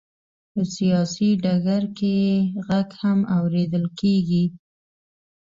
په سیاسي ډګر کې یې غږ هم اورېدل کېږي.